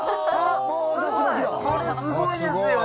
これすごいですよ。